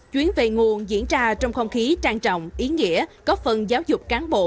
chuyến về nguồn diễn ra trong không khí trang trọng ý nghĩa góp phần giáo dục cán bộ